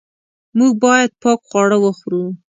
موږ باید پاک خواړه وخورو.